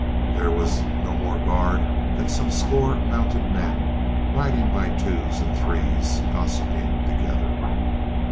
There was no more guard than some score mounted men, riding by twos and threes, gossiping together.